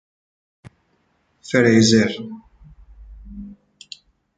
فریزر